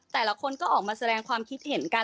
แต่ละคนก็ออกมาแสดงความคิดเห็นกัน